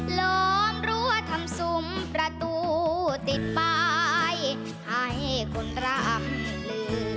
หลมรั้วทำสุมประตูติดไปให้คนรักหลือ